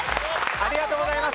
ありがとうございます。